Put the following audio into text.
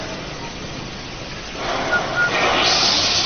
她以祖国波兰的名字命名她所发现的第一种元素钋。